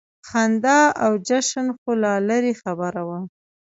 خندا او جشن خو لا لرې خبره وه.